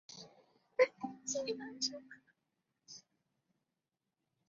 赐葬南柳黄府山。